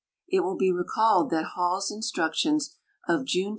It will be recalled that Hall's instructions of June 10.